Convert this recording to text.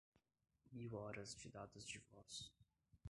mil horas de dados de voz